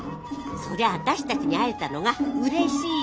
そりゃ私たちに会えたのがうれしいの。